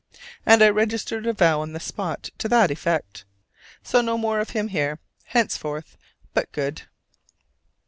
and I registered a vow on the spot to that effect: so no more of him here, henceforth, but good!